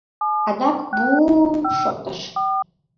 Адак бу-у-ҥ-ҥ шоктыш.